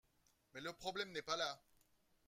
Mais le problème n’est pas là.